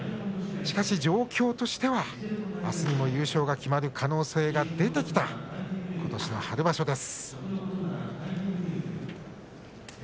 しかし状況としては、あすにも優勝が決まる可能性が出てきたことしの春場所です。